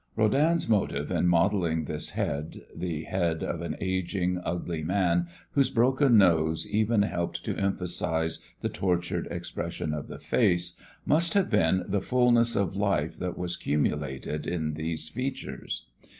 Rodin's motive in modeling this head, the head of an ageing, ugly man, whose broken nose even helped to emphasize the tortured expression of the face, must have been the fulness of life that was cumulated in these features.